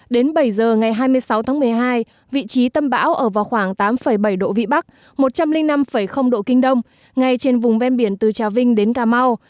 đến bảy giờ ngày hai mươi sáu tháng một mươi hai vị trí tâm bão ở vào khoảng tám bảy độ vĩ bắc một trăm linh năm độ kinh đông ngay trên vùng ven biển từ trà vinh đến cà mau